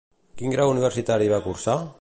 Quin grau universitari va cursar?